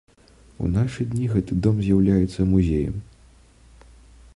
У нашы дні гэты дом з'яўляецца музеям.